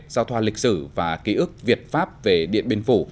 giao thoa lịch sử và ký ức việt pháp về điện biên phủ